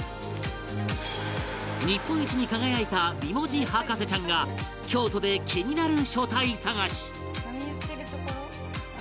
日本一に輝いた美文字博士ちゃんが京都で気になる書体探し